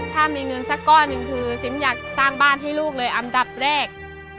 ถ้ามีเงินสักก้อนหนึ่งคือซิมอยากสร้างบ้านให้ลูกเลยอันดับแรก